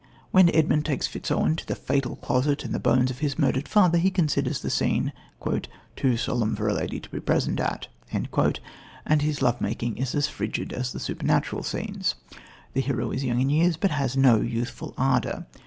When Edmund takes Fitzowen to view the fatal closet and the bones of his murdered father, he considers the scene "too solemn for a lady to be present at"; and his love making is as frigid as the supernatural scenes. The hero is young in years, but has no youthful ardour.